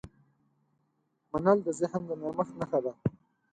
منل د ذهن د نرمښت نښه ده.